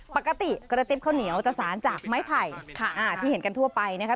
ปกติกระติ๊บข้าวเหนียวจะสารจากไม้ไผ่ที่เห็นกันทั่วไปนะคะ